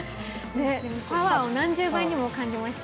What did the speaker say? パワーを何十倍にも感じました。